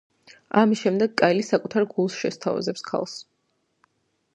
ამის შემდეგ კაილი საკუთარ გულს შესთავაზებს ქალს.